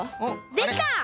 できた！